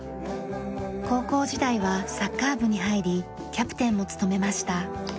高校時代はサッカー部に入りキャプテンも務めました。